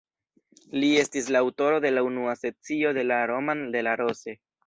Li estis la aŭtoro de la unua sekcio de la "Roman de la Rose".